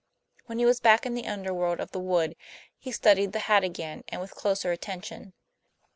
When he was back in the underworld of the wood, he studied the hat again and with closer attention.